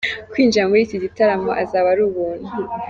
Kwinjira muri iki gitaramo azaba ari ubuntu.